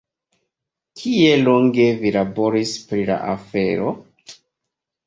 Kiel longe vi laboris pri la afero?